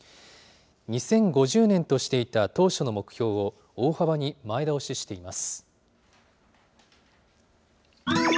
２０５０年としていた当初の目標を大幅に前倒ししています。